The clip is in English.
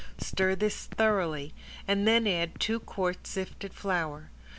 Stir this thoroughly and then add two quarts sifted flour.